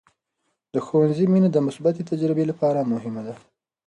د ښوونځي مینه د مثبتې تجربې لپاره مهمه ده.